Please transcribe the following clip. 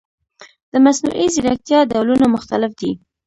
د مصنوعي ځیرکتیا ډولونه مختلف دي.